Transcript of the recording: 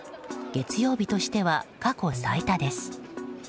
月曜日としては過去最多です。